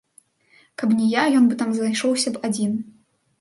Каб не я, ён бы там зайшоўся б адзін.